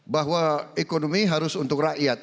bahwa ekonomi harus untuk rakyat